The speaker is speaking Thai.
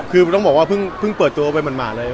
คือต้องบอกว่าเพิ่งเปิดตัวไปหมาดเลย